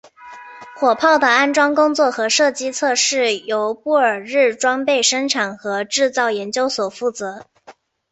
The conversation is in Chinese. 火炮的安装工作和射击测试由布尔日装备生产和制造研究所负责。